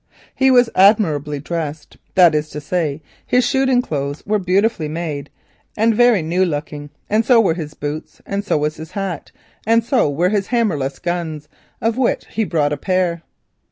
He was admirably dressed, that is to say, his shooting clothes were beautifully made and very new looking, and so were his boots, and so was his hat, and so were his hammerless guns, of which he brought a pair.